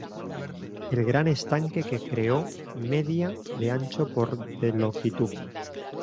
El gran estanque que creó medía de ancho por de longitud.